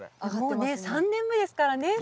もうね３年目ですからね先生。